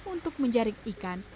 untuk menjarik ikan